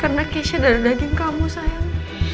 karena keisha dari daging kamu sayang